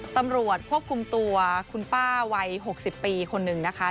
ตำรวจควบคุมตัวคุณป้าวัย๖๐ปีคนหนึ่งนะคะ